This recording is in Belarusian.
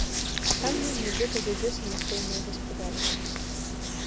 Там ён, нібыта, вядзе самастойную гаспадарку.